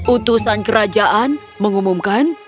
utusan kerajaan mengumumkan